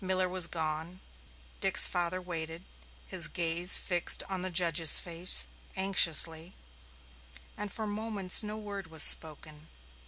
Miller was gone; Dick's father waited, his gaze fixed on the judge's face anxiously, and for moments no word was spoken.